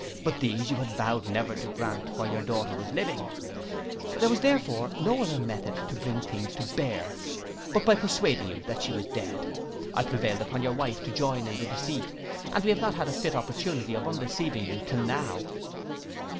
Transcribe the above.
But these you had vowed never to grant while your daughter was living, there was therefore no other method to bring things to bear but by persuading you that she was dead. I prevailed on your wife to join in the deceit, and we have not had a fit opportunity of undeceiving you till now.